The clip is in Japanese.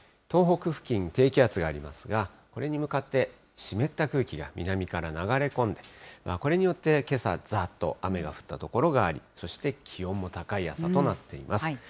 東北付近、低気圧がありますが、これに向かって湿った空気が南から流れ込んで、これによって、けさ、ざーっと雨が降った所があり、そして気温も高い朝となっています。